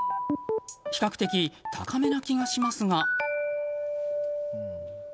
比較的高めな気がしますが。